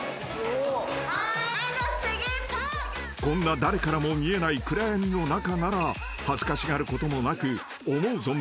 ［こんな誰からも見えない暗闇の中なら恥ずかしがることもなく思う